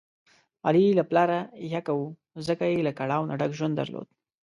علي له پلاره یکه و، ځکه یې له کړاو نه ډک ژوند درلود.